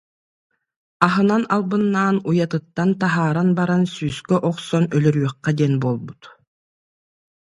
Аһынан албыннаан уйатыттан таһааран баран сүүскэ охсон өлөрүөххэ диэн буолбут